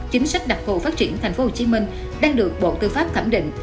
chính sách đặc thù phát triển tp hcm đang được bộ tư pháp thẩm định